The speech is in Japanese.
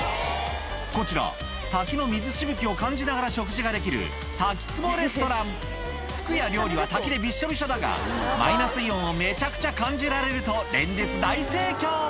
こちら滝の水しぶきを感じながら食事ができる服や料理は滝でびっしょびしょだがマイナスイオンをめちゃくちゃ感じられると連日大盛況